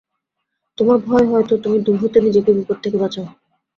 তোমার ভয় হয় তো তুমি দূর হতে নিজেকে বিপদ থেকে বাঁচাও।